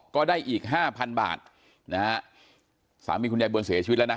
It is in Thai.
ก็ได้อีก๕๐๐๐บาทสามีคุณยายบวลเสียชีวิตแล้วนะ